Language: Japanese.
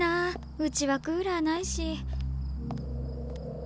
うちはクーラーないし。